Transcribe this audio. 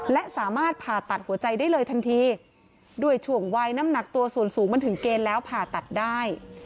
และสามารถผ่าตัดหัวใจได้เลยทันทีด้วยช่วงวัยน้ำหนักตัวส่วนสูงมันถึงเกณฑ์แล้วผ่าตัดได้